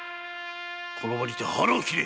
この場にて腹を切れ！